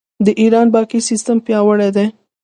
د ایران بانکي سیستم پیاوړی دی.